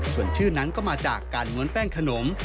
ส่วนชื่อนั้นก็มาจากการม้วนแป้งขนม